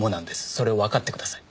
それをわかってください。